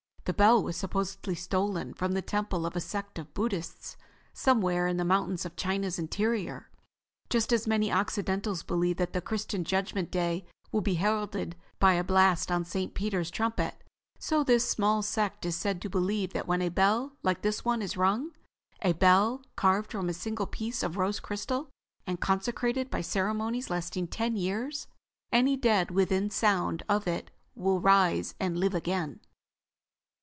This bell was supposedly stolen from the temple of a sect of Buddhists somewhere in the mountains of China's interior. Just as many Occidentals believe that the Christian Judgement Day will be heralded by a blast on St. Peter's trumpet, so this small sect is said to believe that when a bell like this one is rung, a bell carved from a single piece of rose crystal, and consecrated by ceremonies lasting ten years, any dead within sound of it will rise and live again."